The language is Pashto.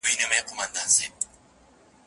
له آمو تر اباسینه وطن بولي